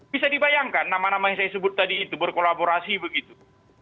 bisa dibayangkan nama nama yang saya sebut tadi itu berkolaborasi begitu